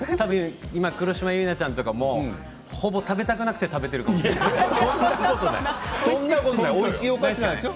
今黒島結菜ちゃんとかもほぼ食べたくなくて食べていると思います。